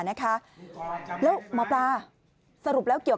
นั่งเฉย